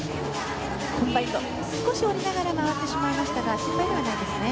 コンバインド、少し下りながら回ってしまいましたが失敗ではないですね。